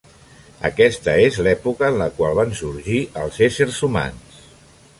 Aquesta és l'època en la qual van sorgir els éssers humans.